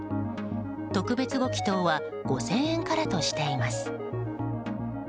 特別ご祈祷は５０００円からとしています。